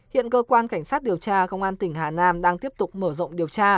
hiện cơ quan cảnh sát điều tra công an tỉnh hà nam đang tiếp tục mở rộng điều tra